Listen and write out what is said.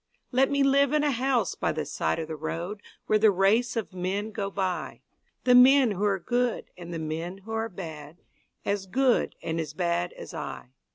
Let me live in a house by the side of the road Where the race of men go by The men who are good and the men who are bad, As good and as bad as I.